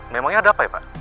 memangnya ada apa ya pak